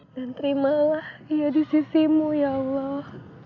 dan terimalah ia di sisimu ya allah